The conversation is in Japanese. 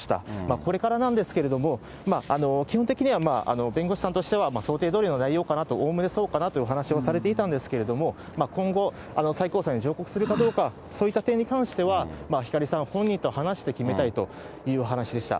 これからなんですけれども、基本的には弁護士さんとしては、想定どおりの内容かなと、おおむねそうかなというようなお話をされていたんですけれども、今後、最高裁に上告するかどうか、そういった点に関しては、光さん本人と話して決めたいというお話でした。